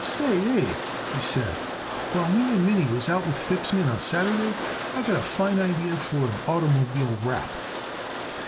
"Say, Abe," he said, "while me and Minnie was out with Fixman on Saturday I got a fine idee for an oitermobile wrap."